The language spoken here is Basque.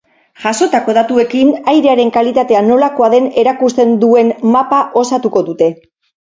Jasotako datuekin airearen kalitatea nolakoa den erakusten duen mapa osatuko dute.